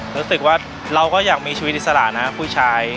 รู้สึกว่าเราก็อยากมีชีวิตอิสระนะผู้ชาย